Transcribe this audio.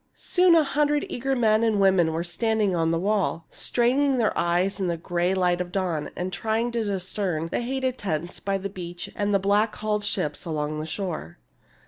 Soon a hundred eager men and women were standing on the wall, straining their eyes in the gray light of dawn, and trying to discern the hated tents by the beach and the black hulled ships along the shore.